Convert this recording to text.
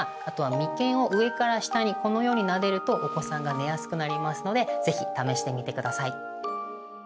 あとは眉間を上から下にこのようになでるとお子さんが寝やすくなりますので是非試してみてください。